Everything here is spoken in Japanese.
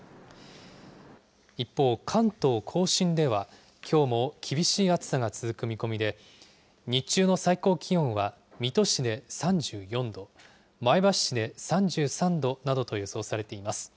一方、関東甲信ではきょうも厳しい暑さが続く見込みで、日中の最高気温は水戸市で３４度、前橋市で３３度などと予想されています。